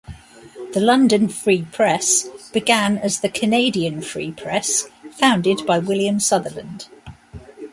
"The London Free Press" began as the "Canadian Free Press", founded by William Sutherland.